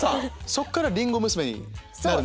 そこからりんご娘になる。